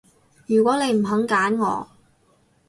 如果你唔肯揀我